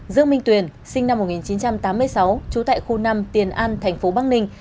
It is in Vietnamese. dương minh tuyền sinh năm một nghìn chín trăm tám mươi sáu trú tại khu năm tiền an thành phố bắc ninh